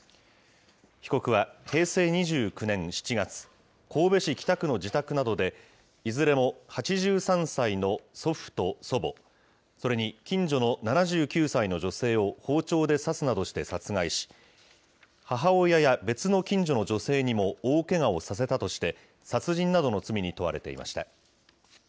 被告は平成２９年７月、神戸市北区の自宅などでいずれも８３歳の祖父と祖母、それに近所の７９歳の女性を包丁で刺すなどして殺害し、母親や別の近所の女性にも大けがをさせたとして殺人などの罪に問われていました。